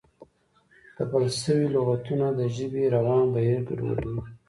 تپل شوي لغتونه د ژبې روان بهیر ګډوډوي.